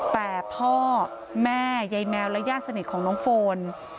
แต่พ่อแม่ยายแมวและญาติสนิทของน้องโฟน